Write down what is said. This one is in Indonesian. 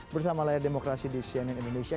bersama layar demokrasi di cnn indonesia